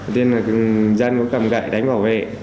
thế nên là dân cũng cầm gậy đánh vào